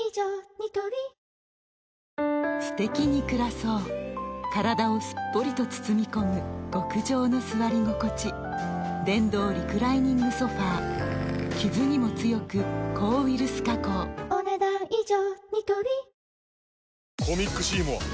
ニトリすてきに暮らそう体をすっぽりと包み込む極上の座り心地電動リクライニングソファ傷にも強く抗ウイルス加工お、ねだん以上。